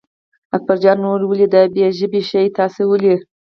اکبرجان وویل ولې دا بې ژبې شی تاسې ولئ.